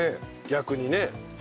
逆にね。